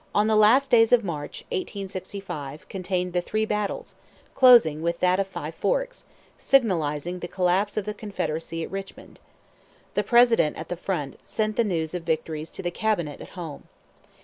The last days of March, 1865, contained the three battles, closing with that of Five Forks, signalizing the collapse of the Confederacy at Richmond. The President, at the front, sent the news of victories to the Cabinet at home.